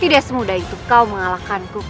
tidak semudah itu kau mengalahkanku kian santang